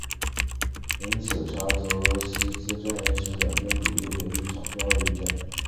因此查图西茨战役是两军主力的一场遭遇战。